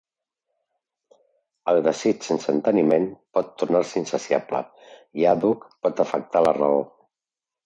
El desig sense enteniment pot tornar-se insaciable, i àdhuc pot afectar la raó.